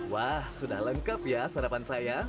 wah sudah lengkap ya sarapan saya